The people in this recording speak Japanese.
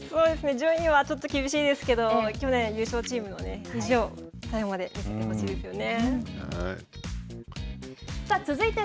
順位はちょっと厳しいですけど、去年優勝チームの意地を最後まで見せてほしいですよね。